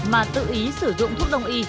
mà tự ý sử dụng thuốc đông y